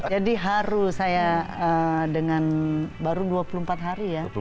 jadi harus saya dengan baru dua puluh empat hari ya